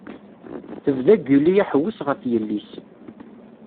Tebda Guli aḥewwes ɣef yelli-s.